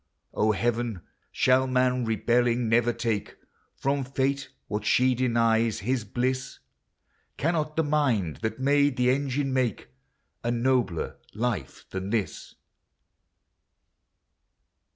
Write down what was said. O Heaven, shall man rebelling never take From Fate what she denies, his bliss? Cannot the mind that made the engine make A nobler life than this?